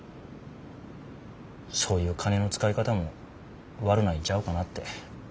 そういう金の使い方も悪ないんちゃうかなって。